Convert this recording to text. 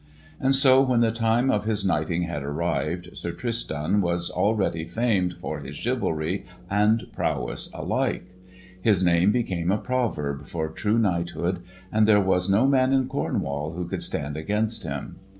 And so, when the time of his knighting had arrived, Sir Tristan was already famed for his chivalry and prowess alike. His name became a proverb for true knighthood, and there was no man in Cornwall who could stand against him.